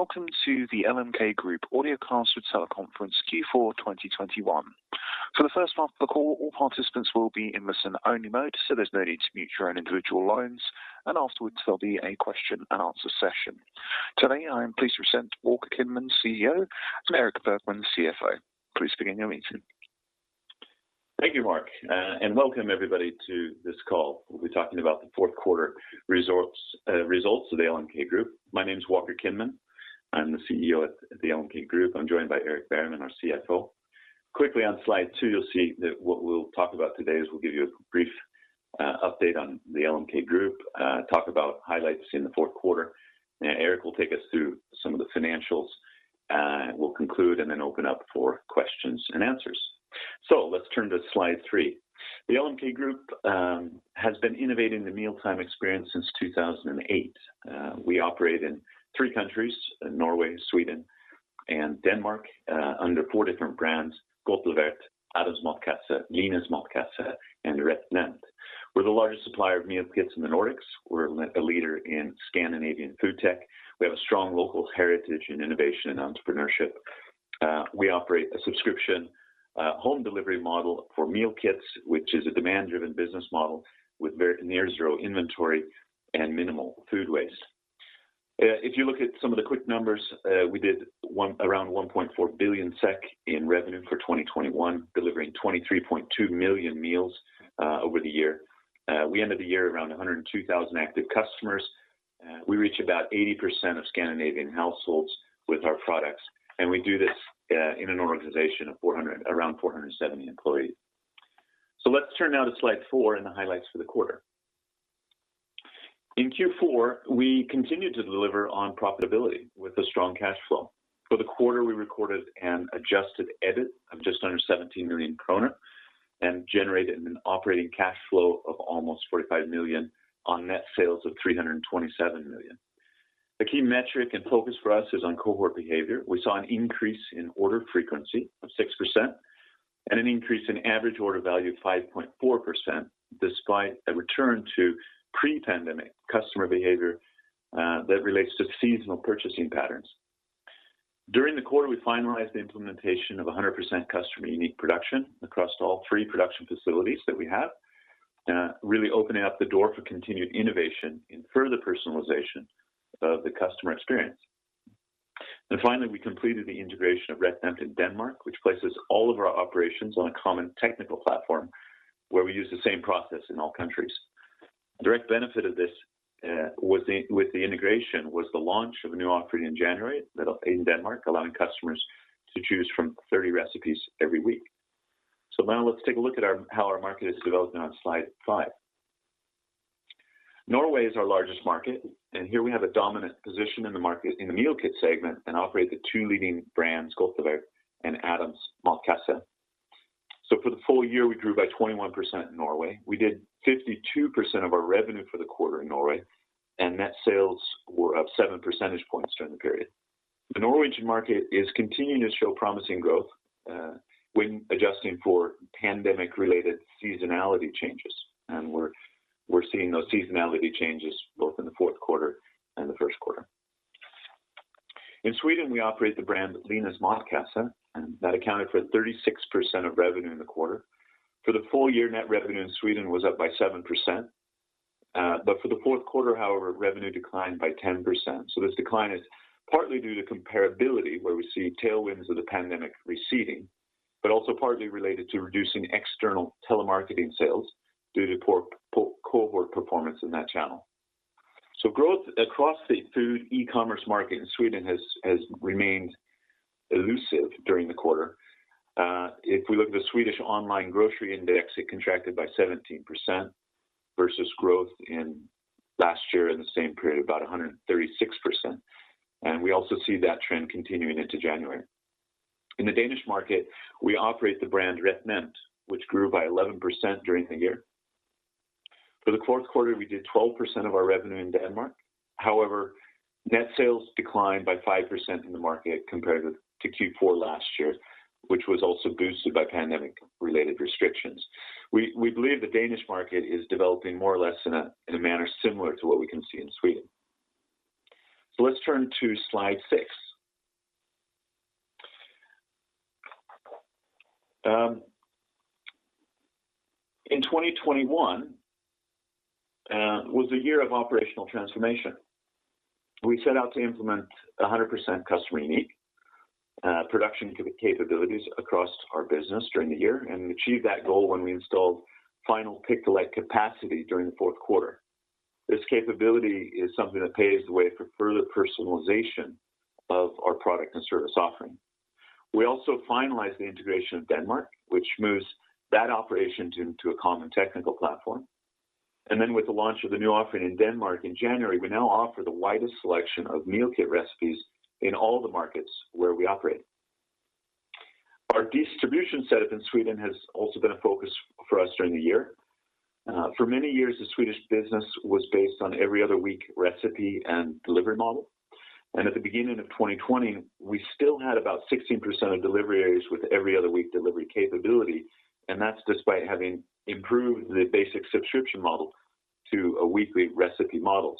Welcome to the LMK Group Audiocast with Teleconference Q4 2021. For the first part of the call, all participants will be in listen-only mode, so there's no need to mute your own individual lines, and afterwards there'll be a question and answer session. Today, I am pleased to present Walker Kinman, CEO, and Erik Bergman, CFO. Please begin your meeting. Thank you, Mark, and welcome everybody to this call. We'll be talking about the Fourth Quarter Results of LMK Group. My name is Walker Kinman. I'm the CEO at LMK Group. I'm joined by Erik Bergman, our CFO. Quickly on slide 2, you'll see that what we'll talk about today is we'll give you a brief update on LMK Group, talk about highlights in the fourth quarter, and Erik will take us through some of the financials. We'll conclude and then open up for questions and answers. Let's turn to slide 3. LMK Group has been innovating the mealtime experience since 2008. We operate in three countries, Norway, Sweden, and Denmark, under four different brands, GodtLevert, Adams Matkasse, Linas Matkasse, and RetNemt. We're the largest supplier of meal kits in the Nordics. We're a leader in Scandinavian food tech. We have a strong local heritage in innovation and entrepreneurship. We operate a subscription home delivery model for meal kits, which is a demand-driven business model with very near zero inventory and minimal food waste. If you look at some of the quick numbers, we did around 1.4 billion SEK in revenue for 2021, delivering 23.2 million meals over the year. We ended the year around 102,000 active customers. We reach about 80% of Scandinavian households with our products, and we do this in an organization of around 470 employees. Let's turn now to slide 4 and the highlights for the quarter. In Q4, we continued to deliver on profitability with a strong cash flow. For the quarter, we recorded an adjusted EBIT of just under 17 million kronor and generated an operating cash flow of almost 45 million on net sales of 327 million. The key metric and focus for us is on cohort behavior. We saw an increase in order frequency of 6% and an increase in average order value of 5.4% despite a return to pre-pandemic customer behavior that relates to seasonal purchasing patterns. During the quarter, we finalized the implementation of 100% customer unique production across all 3 production facilities that we have, really opening up the door for continued innovation in further personalization of the customer experience. Finally, we completed the integration of RetNemt in Denmark, which places all of our operations on a common technical platform where we use the same process in all countries. Direct benefit of this with the integration was the launch of a new offering in January in Denmark, allowing customers to choose from 30 recipes every week. Now let's take a look at how our market has developed now on slide 5. Norway is our largest market, and here we have a dominant position in the market in the Meal Kit segment and operate the two leading brands, GodtLevert and Adams Matkasse. For the full year, we grew by 21% in Norway. We did 52% of our revenue for the quarter in Norway, and net sales were up seven percentage points during the period. The Norwegian market is continuing to show promising growth, when adjusting for pandemic-related seasonality changes, and we're seeing those seasonality changes both in the fourth quarter and the first quarter. In Sweden, we operate the brand Linas Matkasse, and that accounted for 36% of revenue in the quarter. For the full year, net revenue in Sweden was up by 7%. For the fourth quarter, however, revenue declined by 10%. This decline is partly due to comparability, where we see tailwinds of the pandemic receding, but also partly related to reducing external telemarketing sales due to poor cohort performance in that channel. Growth across the food e-commerce market in Sweden has remained elusive during the quarter. If we look at the Swedish online grocery index, it contracted by 17% versus growth in last year in the same period, about 136%. We also see that trend continuing into January. In the Danish market, we operate the brand RetNemt, which grew by 11% during the year. For the fourth quarter, we did 12% of our revenue in Denmark. However, net sales declined by 5% in the market compared to Q4 last year, which was also boosted by pandemic-related restrictions. We believe the Danish market is developing more or less in a manner similar to what we can see in Sweden. Let's turn to slide 6. In 2021 was the year of operational transformation. We set out to implement 100% customer unique production capabilities across our business during the year and achieved that goal when we installed final pick-to-light capacity during the fourth quarter. This capability is something that paves the way for further personalization of our product and service offering. We also finalized the integration of Denmark, which moves that operation to a common technical platform. With the launch of the new offering in Denmark in January, we now offer the widest selection of meal kit recipes in all the markets where we operate. Our distribution setup in Sweden has also been a focus for us during the year. For many years, the Swedish business was based on every other week recipe and delivery model. At the beginning of 2020, we still had about 16% of delivery areas with every other week delivery capability, and that's despite having improved the basic subscription model to a weekly recipe model.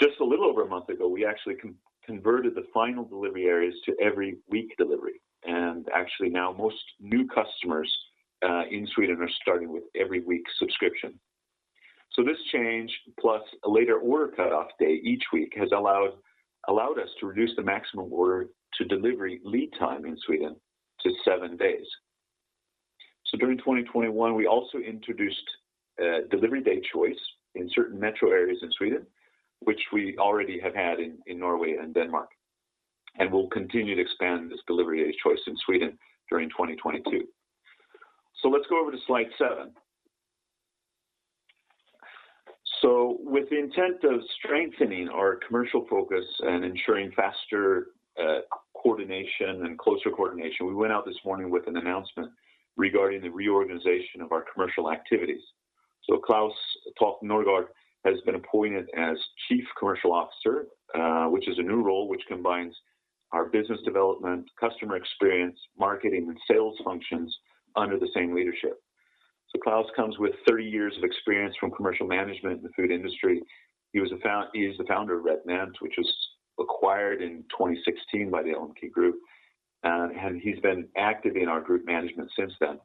Just a little over a month ago, we actually converted the final delivery areas to every week delivery. Actually now most new customers in Sweden are starting with every week subscription. This change plus a later order cutoff day each week has allowed us to reduce the maximum order to delivery lead time in Sweden to 7 days. During 2021, we also introduced delivery day choice in certain metro areas in Sweden, which we already have had in Norway and Denmark, and we'll continue to expand this delivery day choice in Sweden during 2022. Let's go over to slide 7. With the intent of strengthening our commercial focus and ensuring faster coordination and closer coordination, we went out this morning with an announcement regarding the reorganization of our commercial activities. Klaus Toft Nørgaard has been appointed as Chief Commercial Officer, which is a new role which combines our business development, customer experience, marketing and sales functions under the same leadership. Klaus Toft Nørgaard comes with 30 years of experience from commercial management in the Food industry. He is the Founder of RetNemt, which was acquired in 2016 by the LMK Group. He's been active in our group management since then.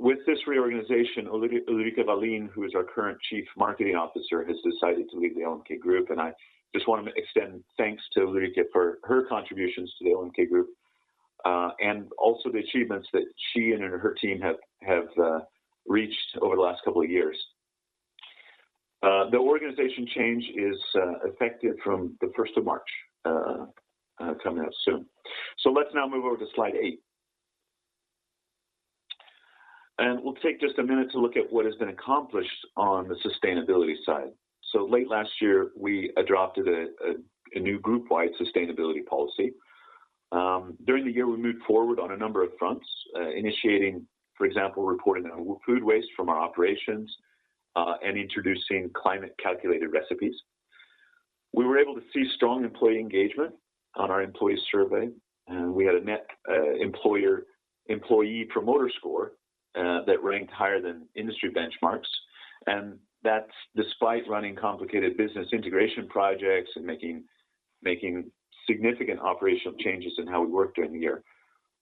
With this reorganization, Ulrika Wallin, who is our current Chief Marketing Officer, has decided to leave the LMK Group, and I just want to extend thanks to Ulrika for her contributions to the LMK Group, and also the achievements that she and her team have reached over the last couple of years. The organization change is effective from the first of March coming out soon. Let's now move over to slide 8. We'll take just a minute to look at what has been accomplished on the sustainability side. Late last year, we adopted a new group-wide sustainability policy. During the year, we moved forward on a number of fronts, initiating, for example, reporting on food waste from our operations, and introducing climate calculated recipes. We were able to see strong employee engagement on our employee survey. We had a net employee promoter score that ranked higher than industry benchmarks. That's despite running complicated business integration projects and making significant operational changes in how we work during the year.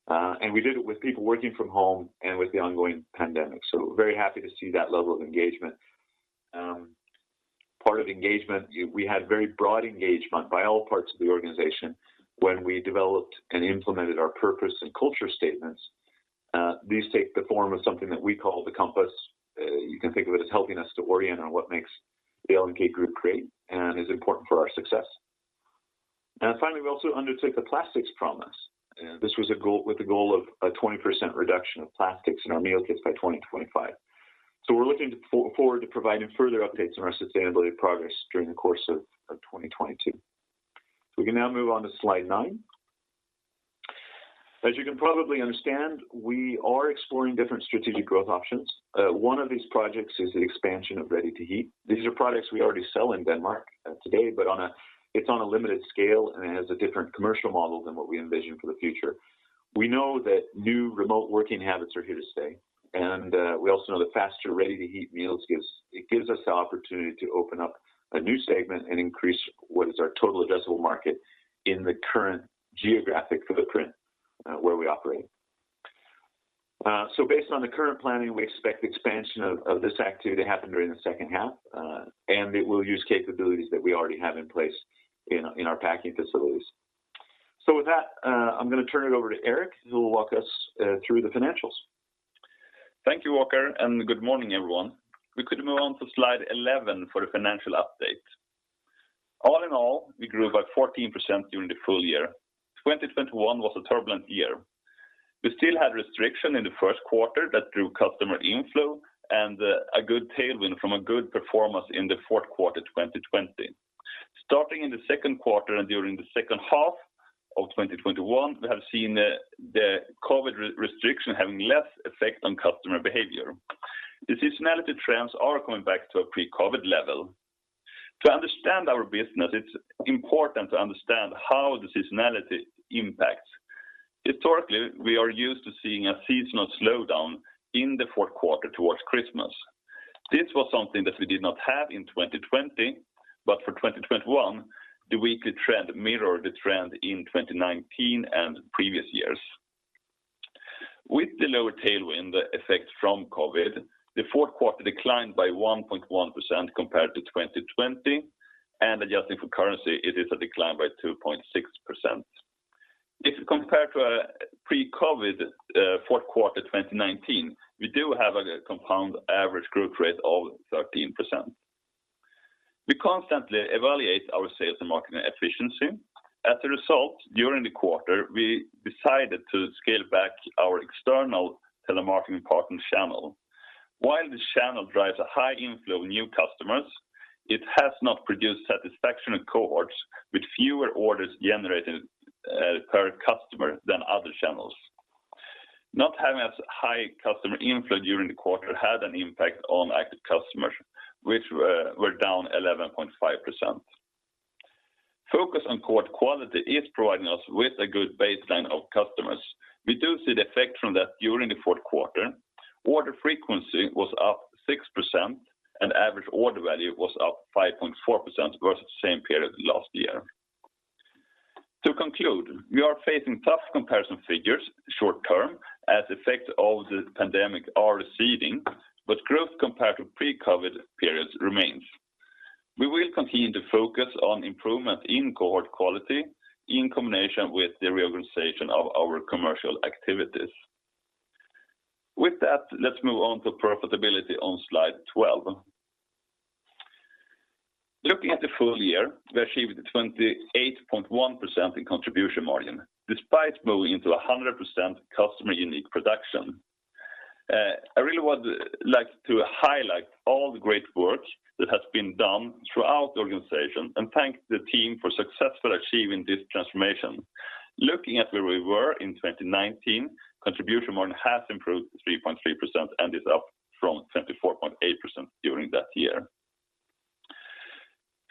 We did it with people working from home and with the ongoing pandemic. Very happy to see that level of engagement. Part of engagement, we had very broad engagement by all parts of the organization when we developed and implemented our purpose and culture statements. These take the form of something that we call the compass. You can think of it as helping us to orient on what makes the LMK Group great and is important for our success. Finally, we also undertook the Plastic Promise. This was with the goal of a 20% reduction of plastics in our meal kits by 2025. We're looking forward to providing further updates on our sustainability progress during the course of 2022. We can now move on to slide 9. As you can probably understand, we are exploring different strategic growth options. One of these projects is the expansion of ready-to-eat. These are products we already sell in Denmark today, but it's on a limited scale, and it has a different commercial model than what we envision for the future. We know that new remote working habits are here to stay, and we also know that faster ready-to-eat meals gives us the opportunity to open up a new segment and increase what is our total addressable market in the current geographic footprint where we operate. Based on the current planning, we expect the expansion of this activity to happen during the second half, and it will use capabilities that we already have in place in our packing facilities. With that, I'm gonna turn it over to Erik, who will walk us through the financials. Thank you, Walker, and good morning, everyone. We could move on to slide 11 for the financial update. All in all, we grew by 14% during the full year. 2021 was a turbulent year. We still had restrictions in the first quarter that drove customer inflow and a good tailwind from a good performance in the fourth quarter, 2020. Starting in the second quarter and during the second half of 2021, we have seen the COVID restrictions having less effect on customer behavior. The seasonality trends are coming back to a pre-COVID level. To understand our business, it's important to understand how the seasonality impacts. Historically, we are used to seeing a seasonal slowdown in the fourth quarter towards Christmas. This was something that we did not have in 2020, but for 2021, the weekly trend mirrored the trend in 2019 and previous years. With the lower tailwind effect from COVID, the fourth quarter declined by 1.1% compared to 2020, and adjusting for currency, it is a decline by 2.6%. If compared to a pre-COVID fourth quarter 2019, we do have a compound average growth rate of 13%. We constantly evaluate our sales and marketing efficiency. As a result, during the quarter, we decided to scale back our external telemarketing partner channel. While this channel drives a high inflow of new customers, it has not produced satisfaction in cohorts with fewer orders generated per customer than other channels. Not having as high customer inflow during the quarter had an impact on active customers, which were down 11.5%. Focus on cohort quality is providing us with a good baseline of customers. We do see the effect from that during the fourth quarter. Order frequency was up 6% and average order value was up 5.4% versus the same period last year. To conclude, we are facing tough comparison figures short term as effect of the pandemic are receding, but growth compared to pre-COVID periods remains. We will continue to focus on improvement in cohort quality in combination with the reorganization of our commercial activities. With that, let's move on to profitability on slide 12. Looking at the full year, we achieved 28.1% in contribution margin despite moving to 100% customer unique production. I really would like to highlight all the great work that has been done throughout the organization and thank the team for successfully achieving this transformation. Looking at where we were in 2019, contribution margin has improved 3.3% and is up from 24.8% during that year.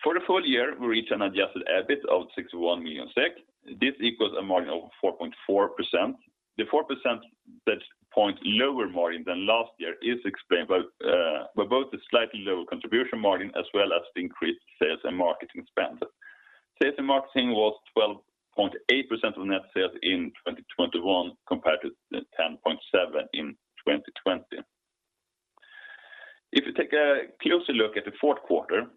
For the full year, we reach an adjusted EBIT of 6.1 million SEK. This equals a margin of 4.4%. The 4 percentage points lower margin than last year is explained by both the slightly lower contribution margin as well as the increased sales and marketing spend. Sales and marketing was 12.8% of net sales in 2021 compared to the 10.7% in 2020. If you take a closer look at the fourth quarter,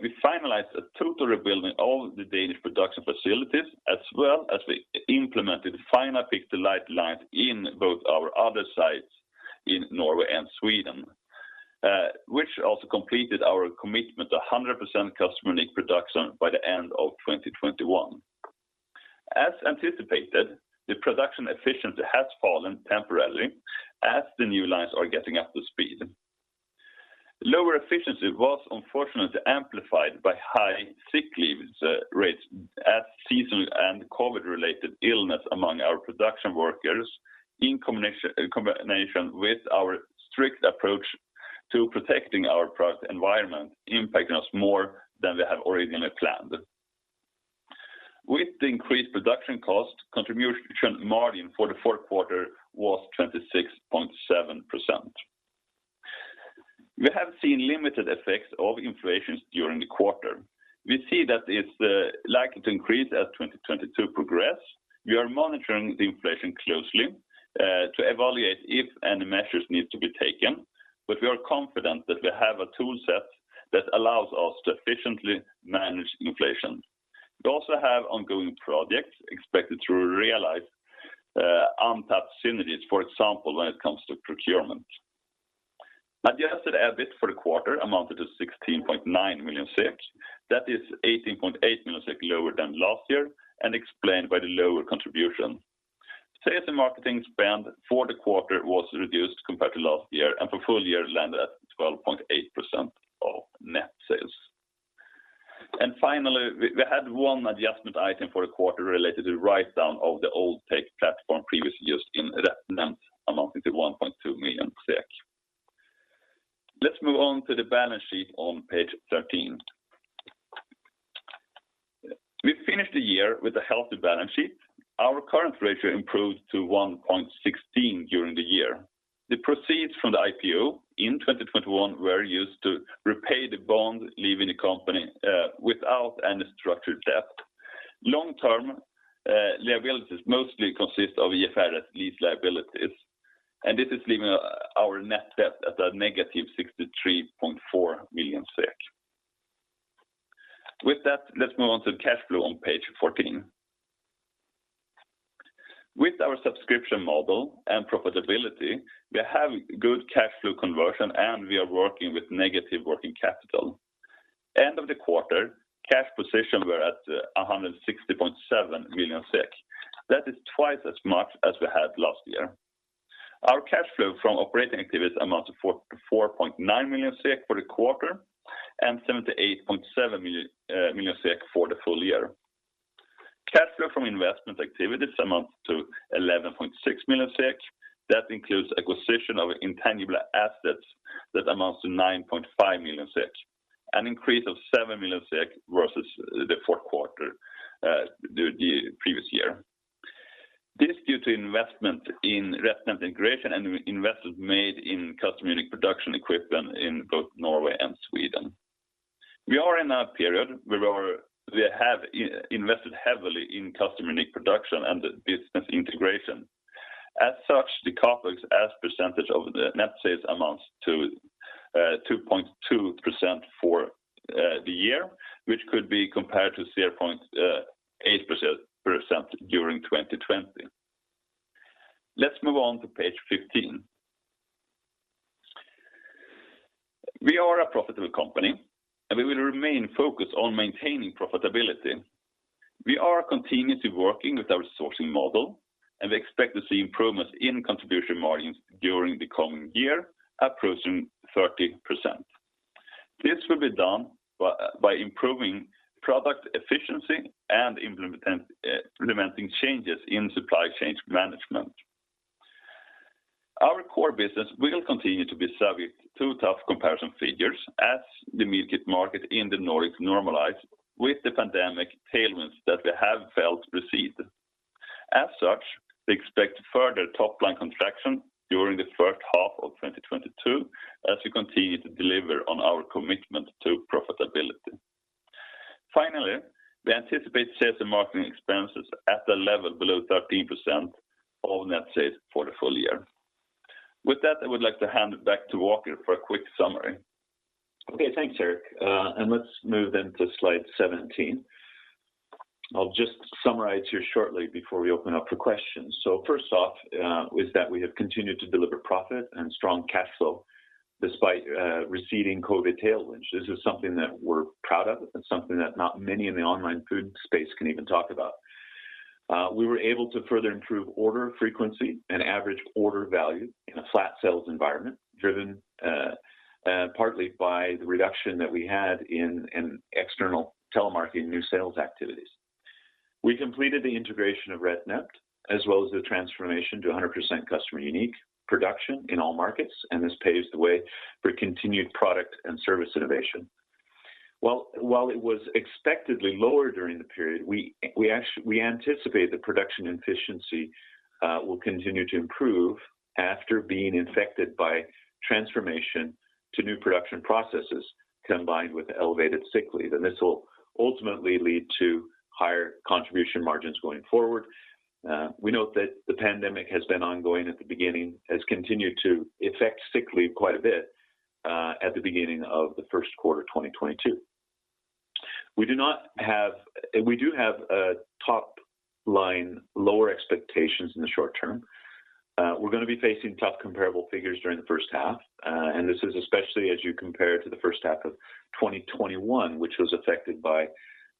we finalized a total rebuilding all the Danish production facilities as well as we implemented final pick-to-light lines in both our other sites in Norway and Sweden, which also completed our commitment to 100% customer unique production by the end of 2021. As anticipated, the production efficiency has fallen temporarily as the new lines are getting up to speed. Lower efficiency was unfortunately amplified by high sick leave rates as seasonal and COVID-related illness among our production workers in combination with our strict approach to protecting our product environment impacting us more than we have originally planned. With the increased production cost, contribution margin for the fourth quarter was 26.7%. We have seen limited effects of inflation during the quarter. We see that it's likely to increase as 2022 progresses. We are monitoring the inflation closely to evaluate if any measures need to be taken. We are confident that we have a tool set that allows us to efficiently manage inflation. We also have ongoing projects expected to realize untapped synergies, for example, when it comes to procurement. Adjusted EBIT for the quarter amounted to 16.9 million SEK. That is 18.8 million SEK lower than last year and explained by the lower contribution. Sales and marketing spend for the quarter was reduced compared to last year and for full year landed at 12.8% of net sales. Finally, we had one adjustment item for the quarter related to write-down of the old tech platform previously used in RetNemt amounting to 1.2 million SEK. Let's move on to the balance sheet on page 13. We finished the year with a healthy balance sheet. Our current ratio improved to 1.16 during the year. The proceeds from the IPO in 2021 were used to repay the bond leaving the company without any structured debt. Long-term liabilities mostly consist of IFRS lease liabilities, and this is leaving our net debt at a negative 63.4 million SEK. With that, let's move on to cash flow on page 14. With our subscription model and profitability, we have good cash flow conversion, and we are working with negative working capital. end of the quarter, cash position was at 160.7 million SEK. That is twice as much as we had last year. Our cash flow from operating activities amounts to 4.9 million SEK for the quarter and 78.7 million for the full year. Cash flow from investment activities amounts to 11.6 million SEK. That includes acquisition of intangible assets that amounts to 9.5 million SEK, an increase of 7 million SEK versus the fourth quarter the previous year. This due to investment in RetNemt integration and investments made in customer unique production equipment in both Norway and Sweden. We are in a period where we have invested heavily in customer unique production and business integration. As such, the CapEx as percentage of the net sales amounts to 2.2% for the year, which could be compared to 0.8% during 2020. Let's move on to page 15. We are a profitable company, and we will remain focused on maintaining profitability. We are continuously working with our sourcing model, and we expect to see improvements in contribution margins during the coming year approaching 30%. This will be done by improving product efficiency and implementing changes in supply chain management. Our core business will continue to be subject to tough comparison figures as the meal kit market in the Nordics normalize with the pandemic tailwinds that we have felt recede. As such, we expect further top-line contraction during the first half of 2022 as we continue to deliver on our commitment to profitability. Finally, we anticipate sales and marketing expenses at a level below 13% of net sales for the full year. With that, I would like to hand it back to Walker for a quick summary. Okay, thanks, Erik. Let's move then to slide 17. I'll just summarize here shortly before we open up for questions. First off, is that we have continued to deliver profit and strong cash flow despite receding COVID tailwinds. This is something that we're proud of. It's something that not many in the online food space can even talk about. We were able to further improve order frequency and average order value in a flat sales environment, driven partly by the reduction that we had in external telemarketing new sales activities. We completed the integration of RetNemt as well as the transformation to 100% customer-unique production in all markets, and this paves the way for continued product and service innovation. While it was expectedly lower during the period, we anticipate that production efficiency will continue to improve after being affected by transformation to new production processes combined with elevated sick leave, and this will ultimately lead to higher contribution margins going forward. We note that the pandemic has continued to affect sick leave quite a bit at the beginning of the first quarter 2022. We do have top-line lower expectations in the short term. We're gonna be facing tough comparable figures during the first half, and this is especially as you compare to the first half of 2021, which was affected by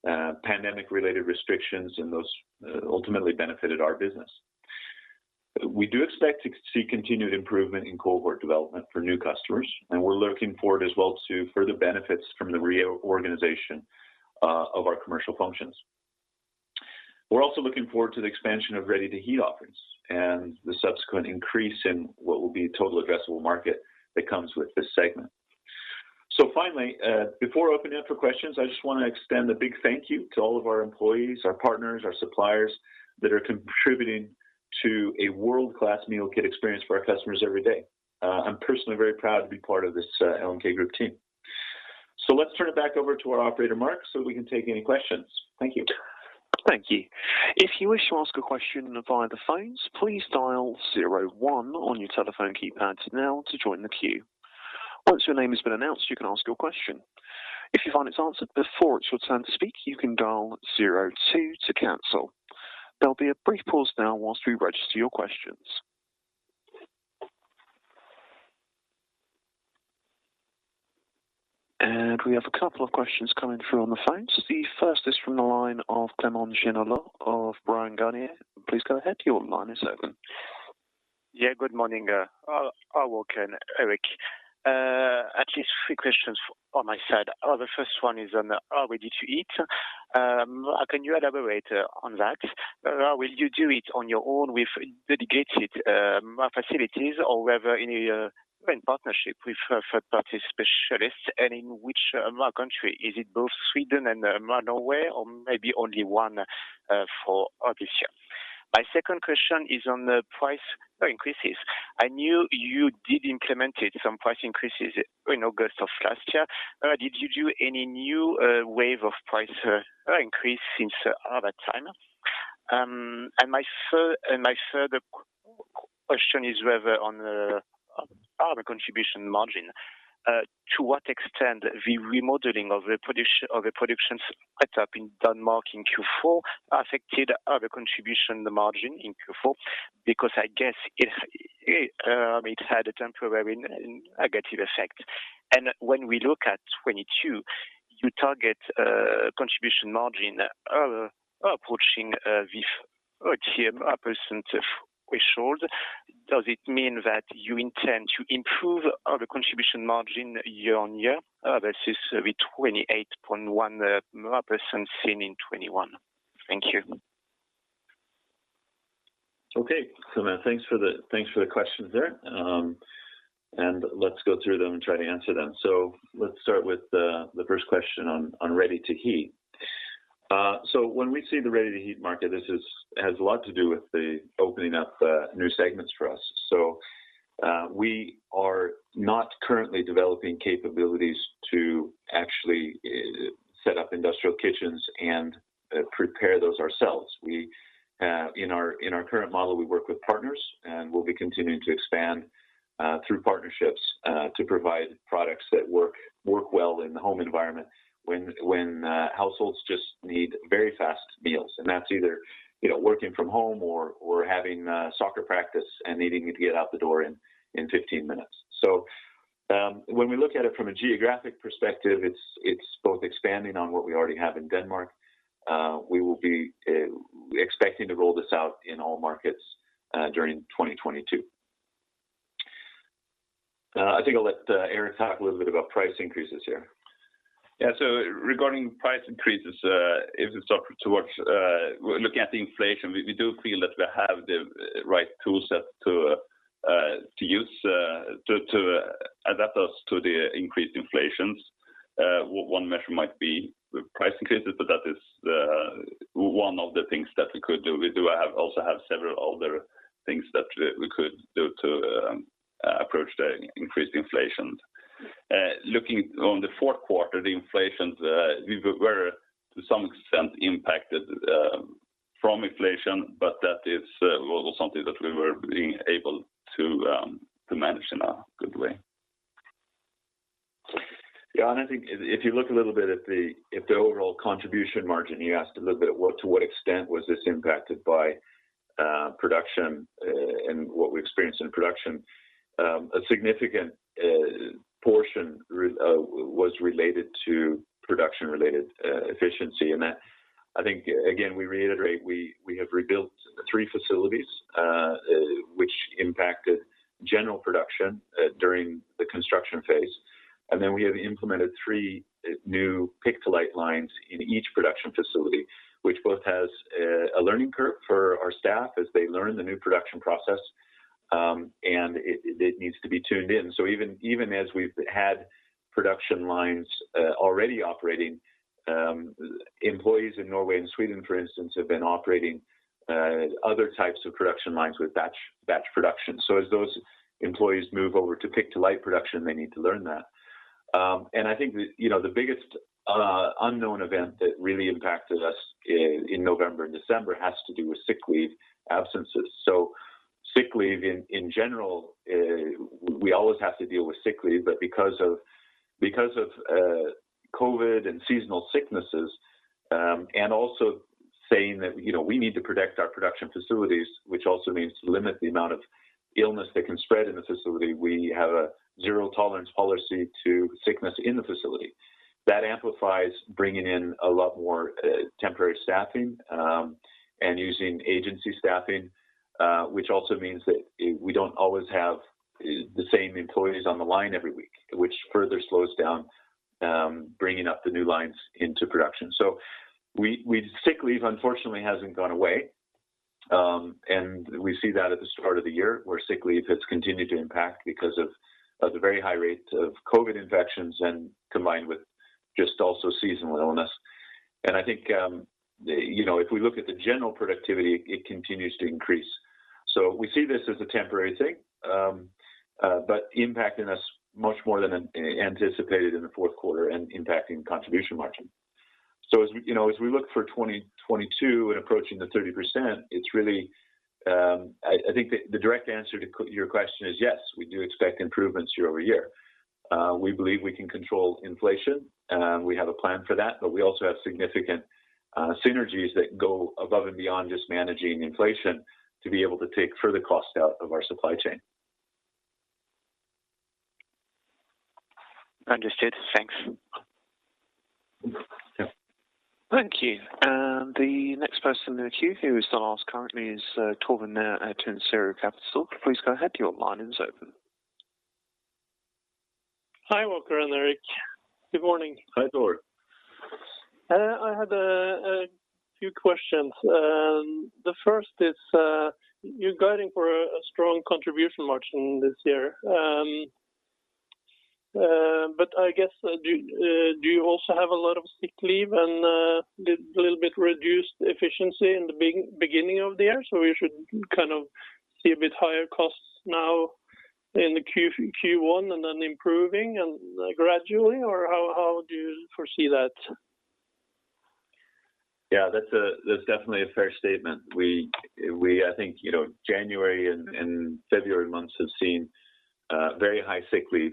pandemic-related restrictions, and those ultimately benefited our business. We do expect to see continued improvement in cohort development for new customers, and we're looking forward as well to further benefits from the reorganization of our commercial functions. We're also looking forward to the expansion of ready-to-eat offerings and the subsequent increase in what will be a total addressable market that comes with this segment. Finally, before opening up for questions, I just wanna extend a big thank you to all of our employees, our partners, our suppliers that are contributing to a world-class meal kit experience for our customers every day. I'm personally very proud to be part of this LMK Group team. Let's turn it back over to our operator, Mark, so we can take any questions. Thank you. Thank you. If you wish to ask a question via the phones, please dial zero one on your telephone keypad now to join the queue. Once your name has been announced, you can ask your question. If you find it's answered before it's your turn to speak, you can dial zero two to cancel. There'll be a brief pause now while we register your questions. We have a couple of questions coming through on the phones. The first is from the line of Clément Genelot of Bryan, Garnier & Co. Please go ahead. Your line is open. Yeah, good morning, Walker and Erik. At least three questions on my side. The first one is on ready-to-eat. Can you elaborate on that? Will you do it on your own with dedicated facilities or whether in a joint partnership with a third-party specialist? And in which country? Is it both Sweden and Norway, or maybe only one for this year? My second question is on the price increases. I know you did implement some price increases in August of last year. Did you do any new wave of price increase since that time? My third question is whether on the contribution margin, to what extent the remodeling of the production setup in Denmark in Q4 affected the contribution margin in Q4 because I guess it had a temporary negative effect. When we look at 2022, you target contribution margin approaching the 8% threshold. Does it mean that you intend to improve the contribution margin year-on-year versus the 28.1% seen in 2021? Thank you. Okay. Clément, thanks for the questions there. Let's go through them and try to answer them. Let's start with the first question on ready-to-eat. When we see the ready-to-eat market, this has a lot to do with the opening up new segments for us. We are not currently developing capabilities to actually set up industrial kitchens and prepare those ourselves. In our current model, we work with partners, and we'll be continuing to expand through partnerships to provide products that work well in the home environment when households just need very fast meals. That's either working from home or having soccer practice and needing to get out the door in 15 minutes. When we look at it from a geographic perspective, it's both expanding on what we already have in Denmark. We will be expecting to roll this out in all markets during 2022. I think I'll let Erik talk a little bit about price increases here. Yeah. Regarding price increases, looking at the inflation, we do feel that we have the right tool set to use to adapt us to the increased inflations. One measure might be with price increases, but that is one of the things that we could do. We also have several other things that we could do to approach the increased inflation. Looking on the fourth quarter, the inflation we were to some extent impacted from inflation, but that was something that we were able to manage in a good way. Yeah. I think if you look a little bit at the overall contribution margin, you asked a little bit at to what extent was this impacted by production and what we experienced in production. A significant portion was related to production-related efficiency. That I think again, we reiterate, we have rebuilt three facilities which impacted general production during the construction phase. Then we have implemented three new pick-to-light lines in each production facility, which both has a learning curve for our staff as they learn the new production process. It needs to be tuned in. Even as we've had production lines already operating, employees in Norway and Sweden, for instance, have been operating other types of production lines with batch production. As those employees move over to pick-to-light production, they need to learn that. I think the biggest unknown event that really impacted us in November and December has to do with sick leave absences. Sick leave in general we always have to deal with sick leave, but because of COVID and seasonal sicknesses, and also saying that, you know, we need to protect our production facilities, which also means to limit the amount of illness that can spread in the facility. We have a zero-tolerance policy to sickness in the facility. That amplifies bringing in a lot more temporary staffing, and using agency staffing, which also means that we don't always have the same employees on the line every week, which further slows down bringing up the new lines into production. Sick leave unfortunately hasn't gone away. We see that at the start of the year where sick leave has continued to impact because of the very high rate of COVID infections and combined with just also seasonal illness. I think, you know, if we look at the general productivity, it continues to increase. We see this as a temporary thing, but impacting us much more than anticipated in the fourth quarter and impacting contribution margin. As we, you know, as we look for 2022 and approaching the 30%, it's really. I think the direct answer to your question is yes, we do expect improvements year-over-year. We believe we can control inflation. We have a plan for that, but we also have significant synergies that go above and beyond just managing inflation to be able to take further cost out of our supply chain. Understood. Thanks. Yeah. Thank you. The next person in the queue who is the last currently is, Torben Nørrelund, Serio Capital. Please go ahead. Your line is open. Hi, Walker and Erik. Good morning. Hi, Torben. I had a few questions. The first is, you're guiding for a strong contribution margin this year. I guess, do you also have a lot of sick leave and the little bit reduced efficiency in the beginning of the year, so we should kind of see a bit higher costs now in the Q1 and then improving and gradually? Or how do you foresee that? Yeah, that's definitely a fair statement. I think, you know, January and February months have seen very high sick leave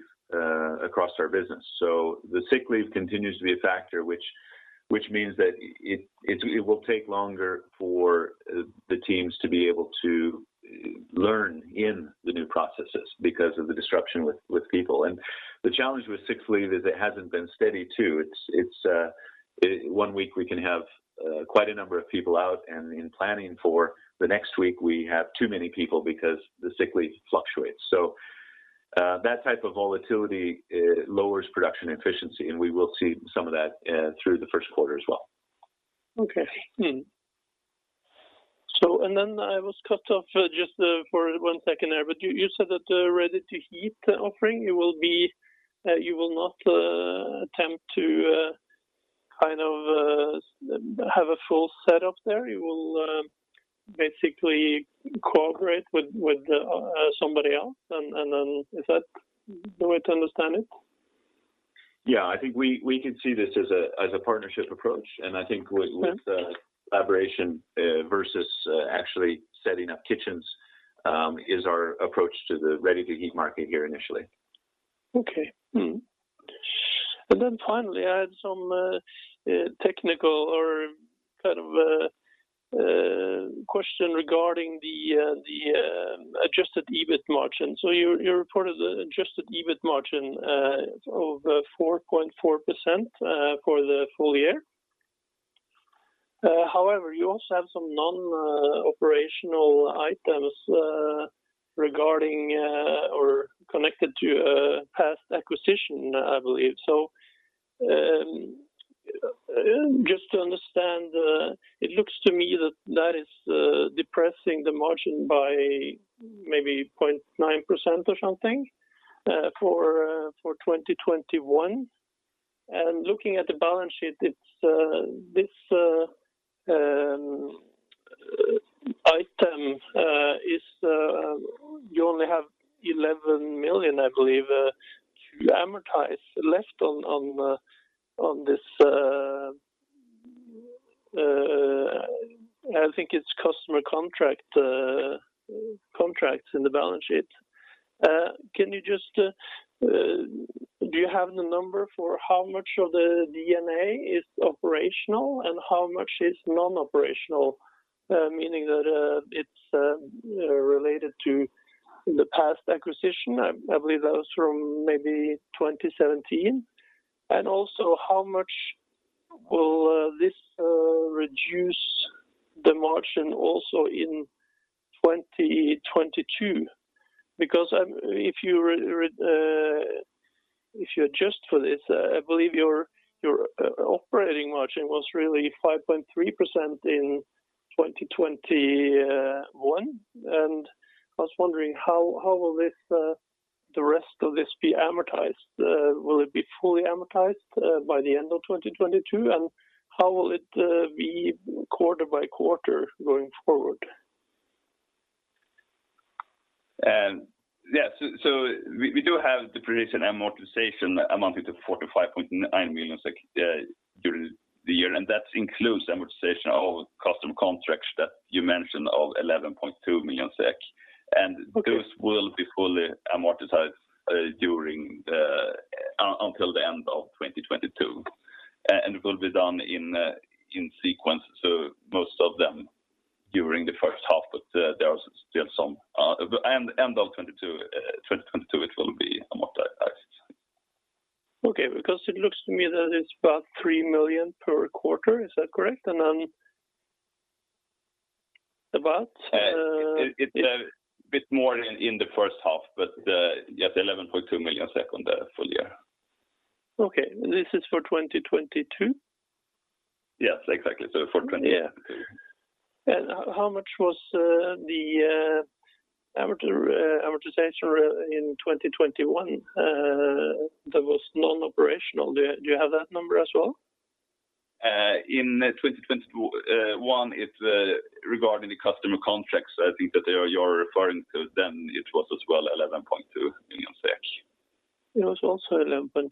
across our business. The sick leave continues to be a factor, which means that it will take longer for the teams to be able to learn in the new processes because of the disruption with people. The challenge with sick leave is it hasn't been steady too. It's one week we can have quite a number of people out, and in planning for the next week, we have too many people because the sick leave fluctuates. That type of volatility lowers production efficiency, and we will see some of that through the first quarter as well. I was cut off just for one second there, but you said that ready-to-eat offering, you will not attempt to kind of have a full set up there. You will basically cooperate with somebody else. Is that the way to understand it? Yeah. I think we could see this as a partnership approach, and I think with collaboration versus actually setting up kitchens is our approach to the ready-to-eat market here initially. Okay. Finally, I had some technical or kind of question regarding the adjusted EBIT margin. You reported the adjusted EBIT margin of 4.4% for the full year. However, you also have some non-operational items regarding or connected to a past acquisition, I believe. Just to understand, it looks to me that is depressing the margin by maybe 0.9% or something for 2021. Looking at the balance sheet, it's this item. You only have 11 million, I believe, to amortize left on this. I think it's customer contracts in the balance sheet. Can you just do you have the number for how much of the D&A is operational and how much is non-operational? Meaning that it's related to the past acquisition. I believe that was from maybe 2017. Also how much will this reduce the margin also in 2022? Because if you adjust for this, I believe your operating margin was really 5.3% in 2021. I was wondering how will the rest of this be amortized? Will it be fully amortized by the end of 2022? How will it be quarter-by-quarter going forward? Yes. We do have depreciation and amortization amounting to 45.9 million during the year, and that includes amortization of customer contracts that you mentioned of 11.2 million SEK. Okay. Those will be fully amortized until the end of 2022. It will be done in sequence, so most of them during the first half, but there are still some. End of 2022, it will be amortized. Okay, because it looks to me that it's about 3 million per quarter. Is that correct? Then about, It's a bit more in the first half, but yes, 11.2 million on the full year. Okay. This is for 2022? Yes, exactly. For 2022. Yeah. How much was the amortization in 2021 that was non-operational? Do you have that number as well? In 2021, it's regarding the customer contracts, I think that the year you're referring to, then it was as well 11.2 million SEK. It was also 11.2.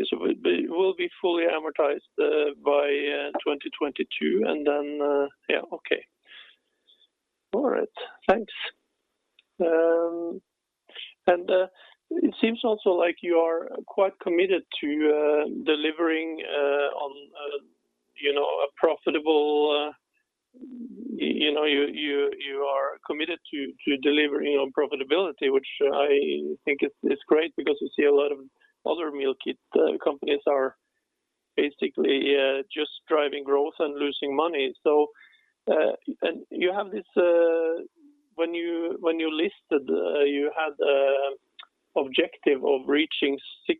It will be fully amortized by 2022, and then. Yeah. Okay. All right. Thanks. It seems also like you are quite committed to delivering on, you know, a profitable. You know, you are committed to delivering on profitability, which I think is great because you see a lot of other Meal Kit companies are basically just driving growth and losing money. You have this when you listed. You had an objective of reaching 6%-8%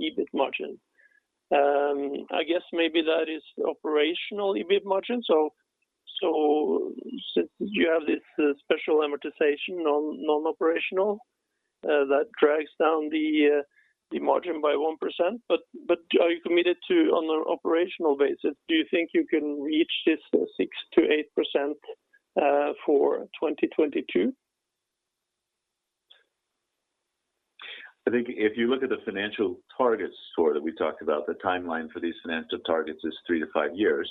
EBIT margin. I guess maybe that is operational EBIT margin. Since you have this special amortization non-operational that drags down the margin by 1%, but are you committed to, on an operational basis, do you think you can reach this 6%-8% for 2022? I think if you look at the financial targets sort of that we talked about, the timeline for these financial targets is 3-5 years.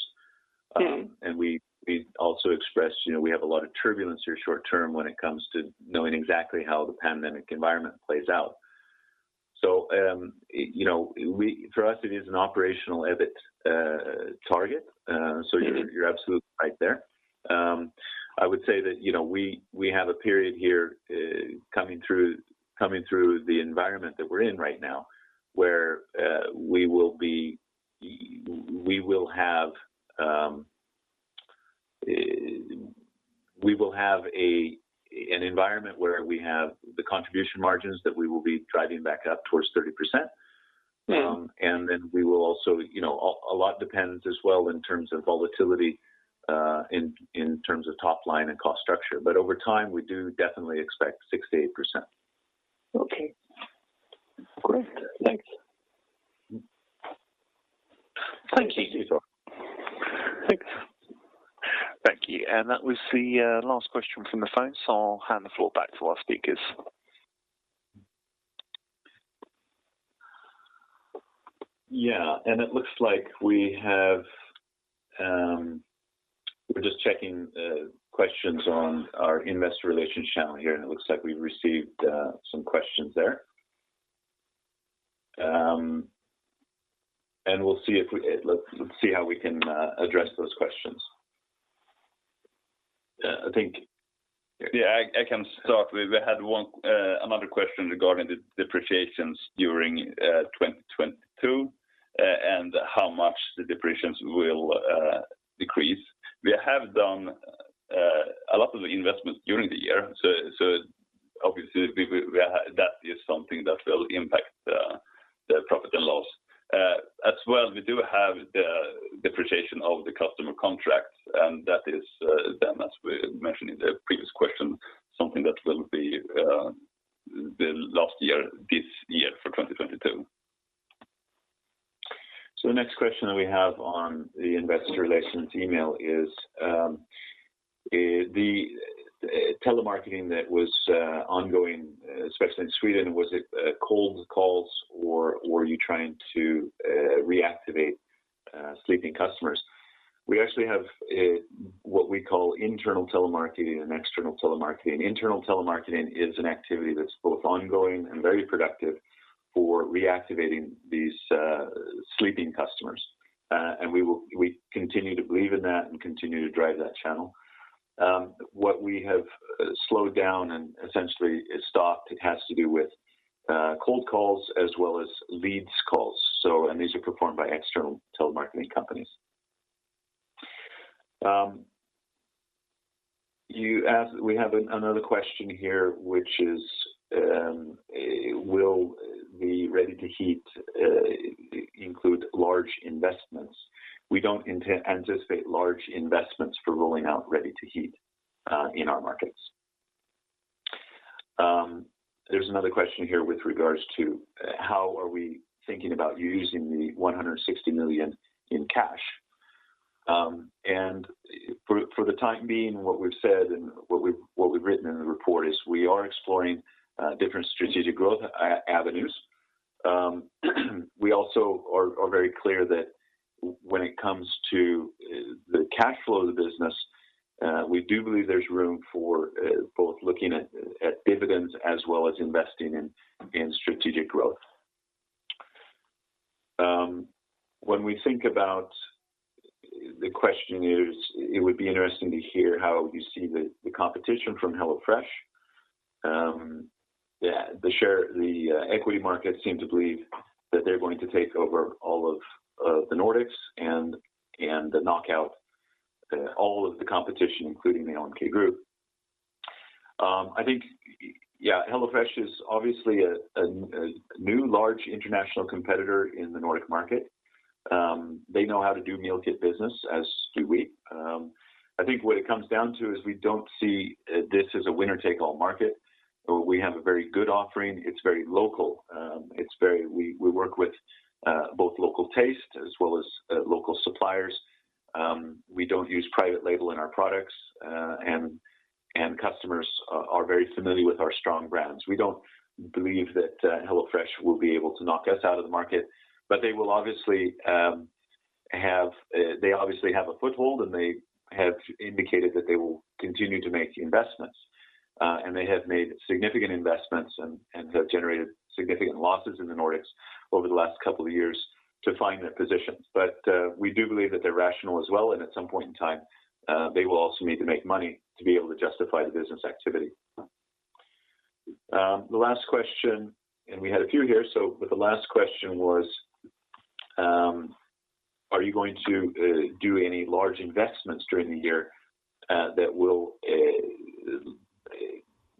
We also expressed, you know, we have a lot of turbulence here short term when it comes to knowing exactly how the pandemic environment plays out. For us it is an operational EBIT target. You're absolutely right there. I would say that, you know, we have a period here coming through the environment that we're in right now where we will have an environment where we have the contribution margins that we will be driving back up towards 30%. We will also, you know, a lot depends as well in terms of volatility, in terms of top line and cost structure. Over time, we do definitely expect 6%-8%. Okay. Great. Thanks. Thank you. Thanks. Thank you. That was the last question from the phone, so I'll hand the floor back to our speakers. Yeah. It looks like we have. We're just checking questions on our investor relations channel here, and it looks like we've received some questions there. We'll see. Let's see how we can address those questions. I think, yeah, I can start. We had another question regarding the depreciation during 2022, and how much the depreciation will decrease. We have done a lot of the investment during the year so obviously that is something that will impact the profit and loss. As well, we do have the depreciation of the customer contracts and that is then as we mentioned in the previous question, something that will be the last year, this year for 2022. Next question that we have on the investor relations email is the telemarketing that was ongoing, especially in Sweden, was it cold calls or were you trying to reactivate sleeping customers? We actually have what we call internal telemarketing and external telemarketing. Internal telemarketing is an activity that's both ongoing and very productive for reactivating these sleeping customers. We continue to believe in that and continue to drive that channel. What we have slowed down and essentially stopped, it has to do with cold calls as well as leads calls. These are performed by external Telemarketing companies. We have another question here, which is, will the ready-to-eat include large investments? We don't anticipate large investments for rolling out ready-to-eat in our markets. There's another question here with regards to how we are thinking about using the 160 million in cash. For the time being, what we've said and what we've written in the report is we are exploring different strategic growth avenues. We also are very clear that when it comes to the cash flow of the business, we do believe there's room for both looking at dividends as well as investing in strategic growth. When we think about the question is, it would be interesting to hear how you see the competition from HelloFresh. Yeah, the equity market seem to believe that they're going to take over all of the Nordics and knock out all of the competition, including the LMK Group. I think, yeah, HelloFresh is obviously a new large international competitor in the Nordic market. They know how to do Meal Kit business, as do we. I think what it comes down to is we don't see this as a winner-take-all market. We have a very good offering. It's very local. We work with both local taste as well as local suppliers. We don't use private label in our products, and customers are very familiar with our strong brands. We don't believe that HelloFresh will be able to knock us out of the market, but they obviously have a foothold, and they have indicated that they will continue to make investments. They have made significant investments and have generated significant losses in the Nordics over the last couple of years to find their positions. We do believe that they're rational as well, and at some point in time, they will also need to make money to be able to justify the business activity. The last question was, are you going to do any large investments during the year that will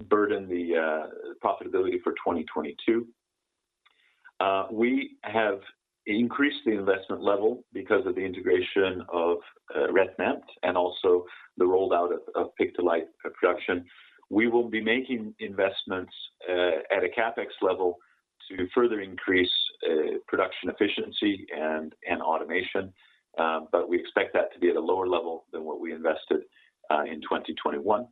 burden the profitability for 2022? We have increased the investment level because of the integration of RetNemt and also the rollout of pick-to-light production. We will be making investments at a CapEx level to further increase production efficiency and automation, but we expect that to be at a lower level than what we invested in 2021.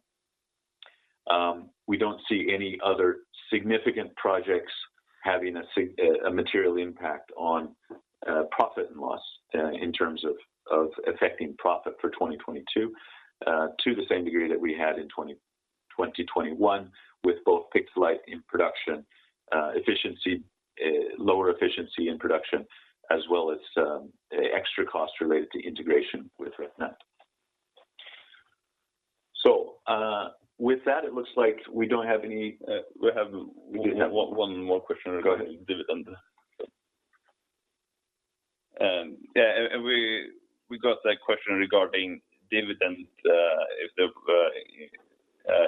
We don't see any other significant projects having a material impact on profit and loss in terms of affecting profit for 2022 to the same degree that we had in 2021 with both pick-to-light in production efficiency, lower efficiency in production, as well as extra costs related to integration with RetNemt. With that, it looks like we don't have any. We have one more question regarding dividend. Go ahead. We got a question regarding dividend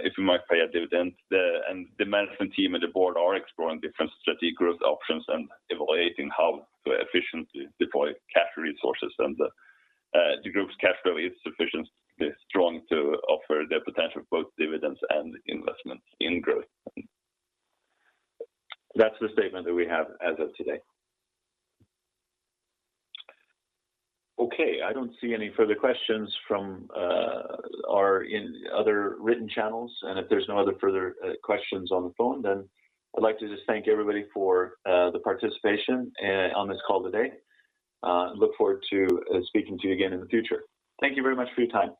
if you might pay a dividend. The management team and the board are exploring different strategic growth options and evaluating how to efficiently deploy cash resources. The group's cash flow is sufficiently strong to offer the potential of both dividends and investments in growth. That's the statement that we have as of today. Okay, I don't see any further questions from our other written channels. If there's no other further questions on the phone, then I'd like to just thank everybody for the participation on this call today. I look forward to speaking to you again in the future. Thank you very much for your time.